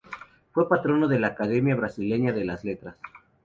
Fue patrono de la Academia Brasileña de las Letras.